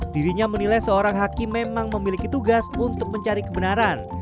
dirinya menilai seorang hakim memang memiliki tugas untuk mencari kebenaran